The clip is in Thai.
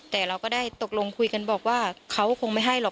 แต่เราก็ได้ตกลงคุยกันบอกว่าเขาคงไม่ให้หรอก